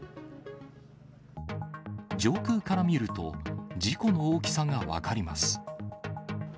上空から見ると、事故の大きさが分かります。